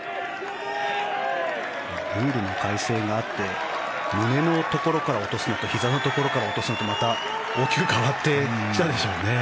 ルールの改正があって胸のところから落とすのとひざのところから落とすのとまた大きく変わってきたでしょうね。